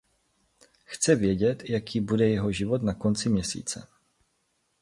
Chce vědět, jaký bude jeho život na konci měsíce.